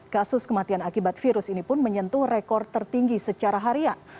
kasus kematian akibat virus ini pun menyentuh rekor tertinggi secara harian